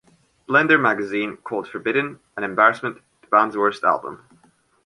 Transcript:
"Blender" magazine called "Forbidden" "an embarrassment ... the band's worst album".